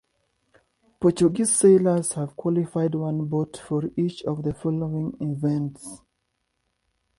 Portuguese sailors have qualified one boat for each of the following events.